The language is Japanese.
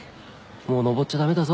もう登っちゃ駄目だぞ。